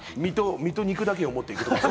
身と肉だけは持っていく。